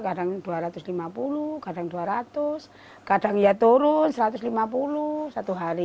kadang dua ratus lima puluh kadang dua ratus kadang ya turun satu ratus lima puluh satu hari